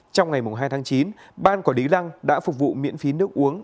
trong ngày hai tháng chín ban quản lý lăng đã phục vụ miễn phí nước uống